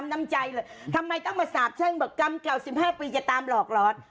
ทำไมต้องมาสาบเชื่อบอกกำเก่า๑๕ปีจะตามหลอกหลอน